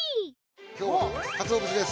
今日はかつお節です。